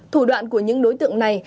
thủ đoạn của những đối tượng này